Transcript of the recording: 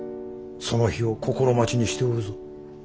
その日を心待ちにしておるぞ。